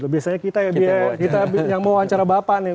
biasanya kita yang mau wawancara bapak